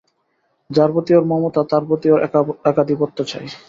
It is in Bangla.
যার প্রতি ওর মমতা তার প্রতি ওর একাধিপত্য চাই।